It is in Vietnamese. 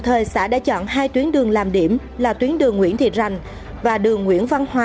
tại xã tân e